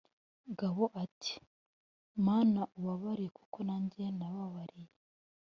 Gabo ati “Mana ubababarire kuko nanjye nababariye